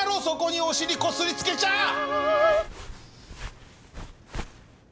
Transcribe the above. そこにお尻こすりつけちゃ！